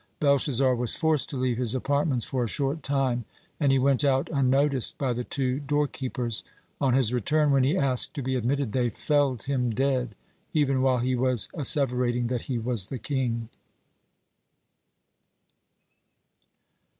Belshazzar was forced to leave his apartments for a short time, and he went out unnoticed by the two door keepers. On his return, when he asked to be admitted, they felled him dead, even while he was asseverating that he was the king.